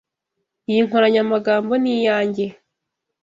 Iyi nkoranyamagambo ni iyanjye.